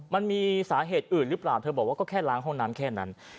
มันมีสาเหตุอื่นหรือเปล่าเธอบอกว่าก็แค่ล้างห้องน้ำแค่นั้น